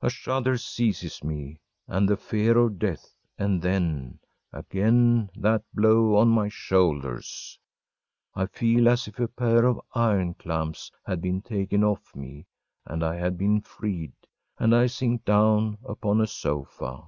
A shudder seizes me, and the fear of death, and then again that blow on my shoulders I feel as if a pair of iron clamps had been taken off me and I had been freed, and I sink down upon a sofa.